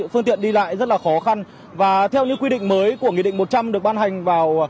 phương tiện đi lại rất là khó khăn và theo những quy định mới của nghị định một trăm linh được ban hành vào